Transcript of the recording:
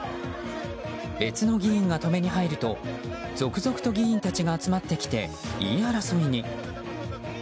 別の議員が止めに入ると続々と議員たちが集まってきて言い争いに。